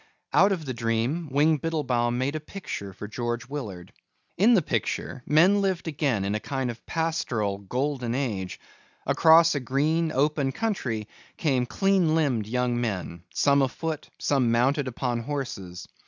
Out of the dream Wing Biddlebaum made a picture for George Willard. In the picture men lived again in a kind of pastoral golden age. Across a green open country came clean limbed young men, some afoot, some mounted upon horses.